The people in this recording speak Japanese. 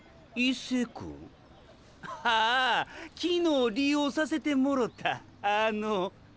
あぁ昨日利用させてもろたあの。